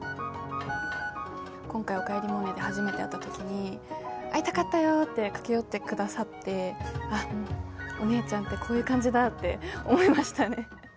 今回「おかえりモネ」で初めて会ったときに「会いたかったよー！」って駆け寄ってくださってあ、もう、お姉ちゃんってこういう感じだって思いましたね。